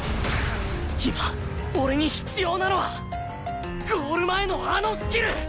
今俺に必要なのはゴール前のあのスキル！